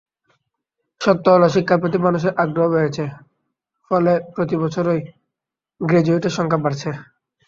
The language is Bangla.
সত্য হলো, শিক্ষার প্রতি মানুষের আগ্রহ বেড়েছে, ফলে প্রতিবছরই গ্র্যাজুয়েটের সংখ্যা বাড়ছে।